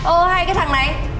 ờ hay cái thằng này